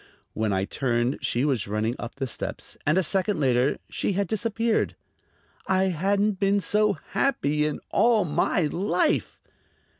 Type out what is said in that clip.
When I turned she was running up the steps, and a second later she had disappeared. I hadn't been so happy in all my life!